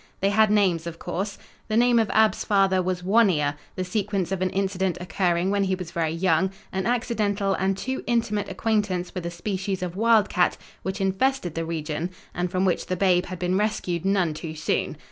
They had names, of course. The name of Ab's father was One Ear, the sequence of an incident occurring when he was very young, an accidental and too intimate acquaintance with a species of wildcat which infested the region and from which the babe had been rescued none too soon.